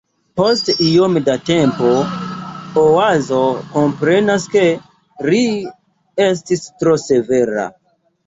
Post iom da tempo Oazo komprenas ke ri estis tro severa.